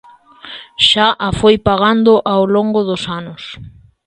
Xa a foi pagando ao longo dos anos.